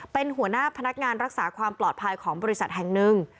เป็นหัวหน้าพนักงานรักษาความปลอดภัยของบริษัทแห่งหนึ่ง